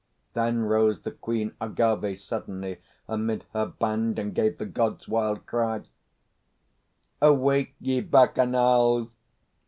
Then rose the Queen Agâvê suddenly Amid her band, and gave the God's wild cry, "Awake, ye Bacchanals!